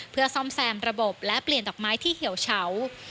เพื่อซ่อมแซมระบบและเปลี่ยนดอกไม้ที่เหี่ยวเฉา